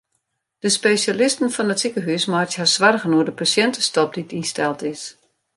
De spesjalisten fan it sikehús meitsje har soargen oer de pasjintestop dy't ynsteld is.